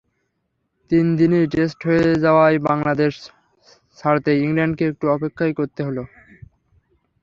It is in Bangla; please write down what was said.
তিন দিনেই টেস্ট হয়ে যাওয়ায় বাংলাদেশ ছাড়তে ইংল্যান্ডকে একটু অপেক্ষাই করতে হলো।